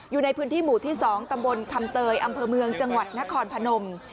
อยู่ในพื้นที่หมู่ที่๒ตำบลคำเตยอำเภอเมืองจังหวัดนครพนม